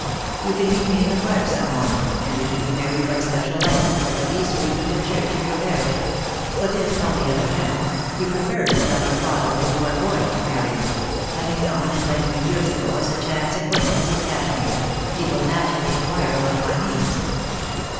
You can meet me in the Park some morning, and we can be married by special license at the least frequented church in your parish; but if, on the other hand, you prefer to tell your father that you are going to marry me, having known and liked me years ago as a chance acquaintance in Cashmere, he will naturally inquire about my means.